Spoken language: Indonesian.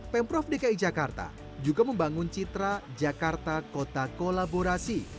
pemprov dki jakarta juga membangun citra jakarta kota kolaborasi